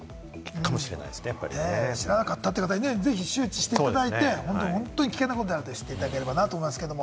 知らなかったという方にはぜひ周知していただいて、本当に危険なことだと知っていただければと思います。